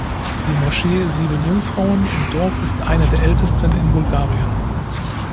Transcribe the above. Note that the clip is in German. Die Moschee „Sieben Jungfrauen“ im Dorf ist eine der ältesten in Bulgarien.